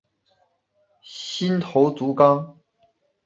新头足纲。